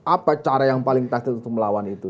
apa cara yang paling taktis untuk melawan itu